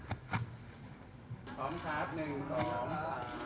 ขอขอบคุณหน่อยนะคะ